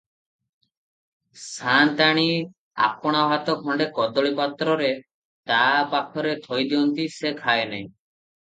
ସାଆନ୍ତାଣୀ ଆପଣା ଭାତ ଖଣ୍ତେ କଦଳୀ ପତ୍ରରେ ତା ପାଖରେ ଥୋଇଦିଅନ୍ତି, ସେ ଖାଏ ନାହିଁ ।